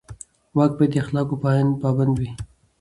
واک باید د اخلاقو پابند وي.